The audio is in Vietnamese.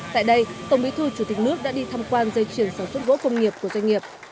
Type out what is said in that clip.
tại đây tổng bí thư chủ tịch nước đã đi thăm quan dây chuyển sản xuất gỗ công nghiệp của doanh nghiệp